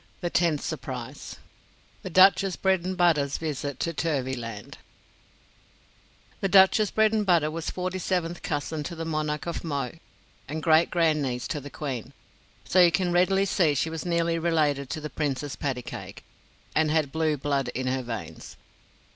The Tenth Surprise THE DUCHESS BREDENBUTTA'S VISIT TO TURVYLAND The Duchess Bredenbutta was forty seventh cousin to the Monarch of Mo and great grandniece to the Queen; so you can readily see she was nearly related to the Princess Pattycake and had blue blood in her veins.